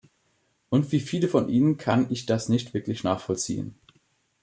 Und wie viele von Ihnen kann ich das nicht wirklich nachvollziehen.